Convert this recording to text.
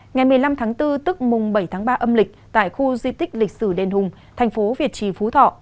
ngày một mươi năm tháng bốn tức mùng bảy tháng ba âm lịch tại khu di tích lịch sử đền hùng thành phố việt trì phú thọ